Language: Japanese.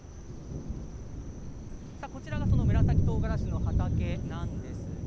こちらがその紫とうがらしの畑です。